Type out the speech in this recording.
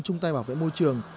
trung tay bảo vệ môi trường